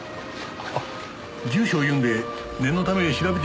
あっ住所を言うんで念のため調べてみてくれ。